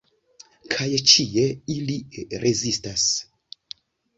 Kaj ĉie ili rezistas.